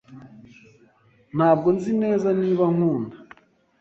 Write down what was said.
Ntabwo nzi neza niba ankunda.